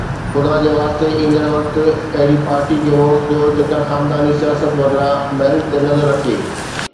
خدا جي واسطي، ايندڙ وقت اهڙي پارٽي کي ووٽ ڏيو، جيڪا خانداني سياست بدران ميرٽ تي نظر رکي